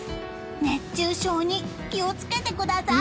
熱中症に気を付けてください。